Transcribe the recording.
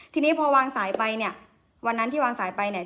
ทีนี้พอวางสายไปเนี่ยวันนั้นที่วางสายไปเนี่ย